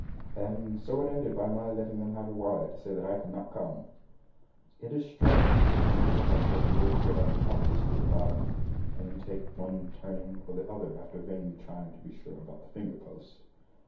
And so it ended by my letting them have a wire to say that I could not come. It is strange when you come to a point where the road of your life obviously divides, and you take one turning or the other after vainly trying to be sure about the finger post.